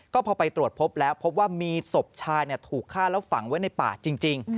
ก็พอไปตรวจพบแล้วพบว่ามีศพชายถูกฆ่าแล้วฝังไว้ในป่าจริง